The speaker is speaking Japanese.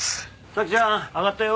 沙希ちゃん上がったよ。